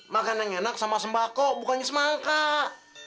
makanan yang enak sama sembako bukannya semangka